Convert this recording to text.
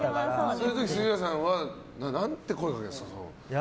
そういう時、杉浦さんは何て声をかけるんですか？